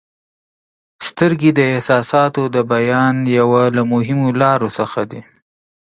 • سترګې د احساساتو د بیان یوه له مهمو لارو څخه دي.